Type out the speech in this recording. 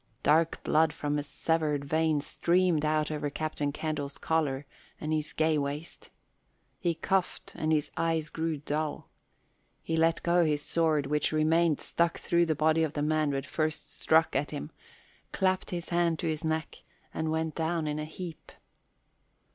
Dark blood from a severed vein streamed out over Captain Candle's collar and his gay waist. He coughed and his eyes grew dull. He let go his sword, which remained stuck through the body of the man who had first struck at him, clapped his hand to his neck, and went down in a heap.